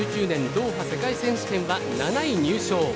２０１９年ドーハ世界選手権は７位入賞。